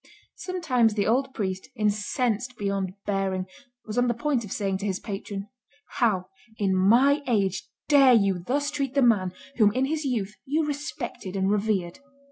Sometimes the old Priest, incensed beyond bearing, was on the point of saying to his patron, "How, in my age, dare you thus treat the man, whom in his youth you respected and revered?"